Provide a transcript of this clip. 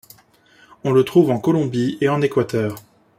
On le trouve en Colombie et en Équateur.